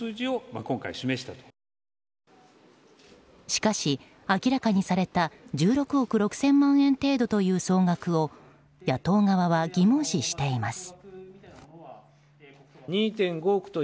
しかし、明らかにされた１６億６０００万円程度という総額を野党側は疑問視しています。